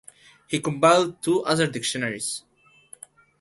He compiled two other dictionaries.